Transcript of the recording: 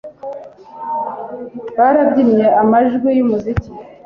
Barabyinnye amajwi yumuziki